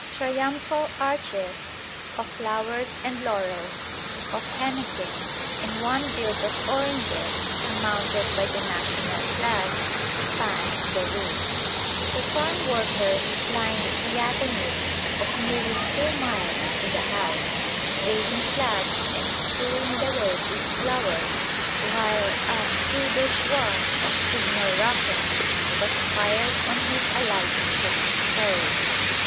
Triumphal arches of flowers and laurels, of henequen, and one built of oranges surmounted by the national flag, spanned the route. The farm workers lined the avenue of nearly two miles to the house, waving flags and strewing the road with flowers, while a feu de joie of signal rockets was fired on his alighting from his carriage.